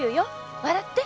笑って。